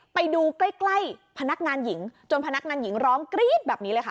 ไปดูใกล้ใกล้พนักงานหญิงจนพนักงานหญิงร้องกรี๊ดแบบนี้เลยค่ะ